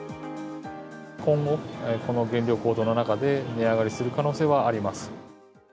今後、この原料高騰の中で、値上がりする可能性はあります。